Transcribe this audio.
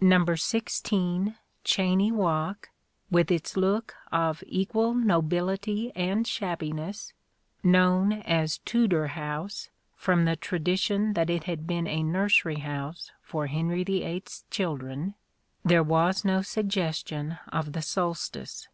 No. 16, Gheyne Walk, with its look of equal nobility and shabbiness," (known as Tudor House from the tradition that it had been a nursery house for Henry VIIFs children), there was no suggestion of the sol stice.